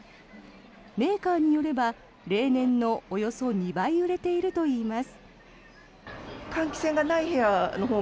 メーカーによれば例年のおよそ２倍売れているといいます。